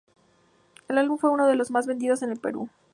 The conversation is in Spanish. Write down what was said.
El álbum fue uno de los más vendidos en el Perú.